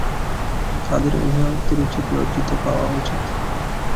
তাদের অভিভাবকদের লজ্জিত পাওয়া উচিত।